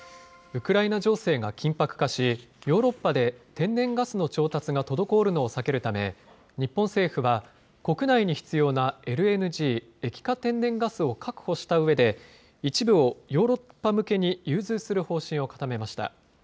ウクライナ情勢が緊迫化し、ヨーロッパで天然ガスの調達が滞るのを避けるため、日本政府は国内に必要なＬＮＧ・液化天然ガスを確保したうえで、一部をヨーロッパ向けに融通する方針を固めました。